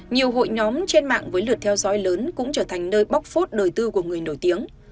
nhiều hội nhóm trên mạng với lượt theo dõi lớn cũng trở thành nơi bóc phốt đời tư của người nổi tiếng